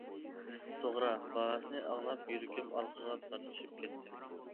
توغرا، باھاسىنى ئاڭلاپ يۈرىكىم ئارقىغا تارتىشىپ كەتتى.